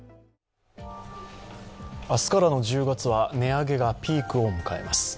明日からの１０月は値上げがピークを迎えます。